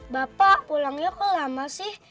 bapak pulangnya kelama sih